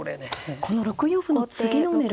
この６四歩の次の狙いは。